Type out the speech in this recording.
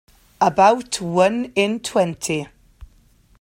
About one in twenty.